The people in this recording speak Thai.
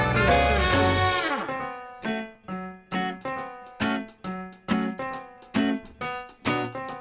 แต่พี่จะไล่ไล่มานะ